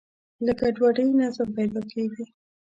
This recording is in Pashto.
له ګډوډۍ نظم پیدا کېږي.